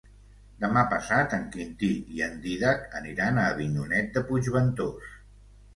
Demà passat en Quintí i en Dídac aniran a Avinyonet de Puigventós.